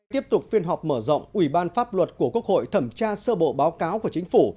tiếp tục phiên họp mở rộng ủy ban pháp luật của quốc hội thẩm tra sơ bộ báo cáo của chính phủ